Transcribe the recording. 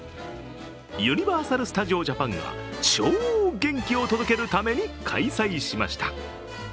ユニバーサル・スタジオ・ジャパンが超元気を届けるために開催しました。